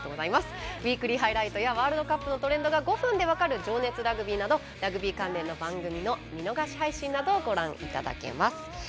「ウィークリーハイライト」やワールドカップのトレンドが５分で分かる「情熱ラグビー」などラグビー関連の番組の見逃し配信などをご覧いただけます。